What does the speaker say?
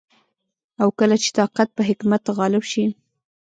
او کله چي طاقت په حکمت غالب سي